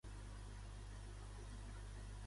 Però què vol Maragall?